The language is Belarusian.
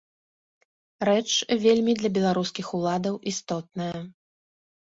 Рэч, вельмі для беларускіх уладаў істотная.